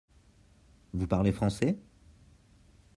Vous parlez français ?